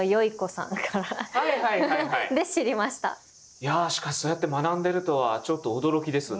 いやしかしそうやって学んでるとはちょっと驚きです。